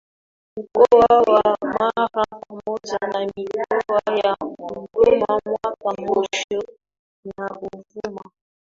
Mkoa wa Mara pamoja na Mikoa ya Kigoma Mwanza Moshi na Ruvuma